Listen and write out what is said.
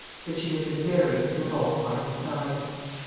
that she had been buried in the vault by his side.